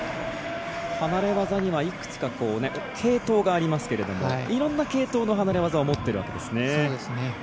離れ技にはいくつか系統がありますけれどもいろんな系統の離れ技を持っているわけですね。